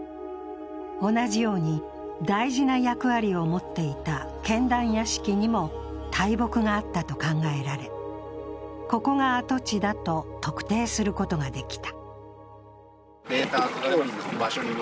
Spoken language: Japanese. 同じように大事な役割を持っていた検断屋敷にも大木があったと考えられ、ここが跡地だと特定することができた。